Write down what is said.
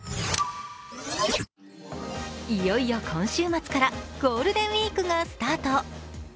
いよいよ今週末からゴールデンウイークがスタート。